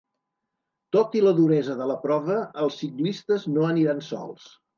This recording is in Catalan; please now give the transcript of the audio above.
Tot i la duresa de la prova, els ciclistes no aniran sols.